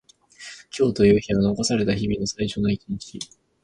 今日という日は残された日々の最初の一日。